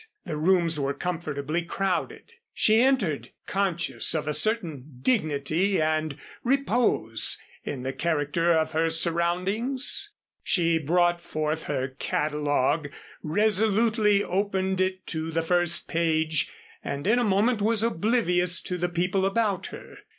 The rooms were comfortably crowded. She entered conscious of a certain dignity and repose in the character of her surroundings. She brought forth her catalogue, resolutely opened it to the first page and in a moment was oblivious to the people about her.